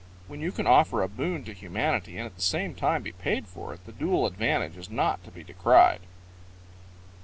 When you can offer a boon to humanity and at the same time be paid for it the dual advantage is not to be decried.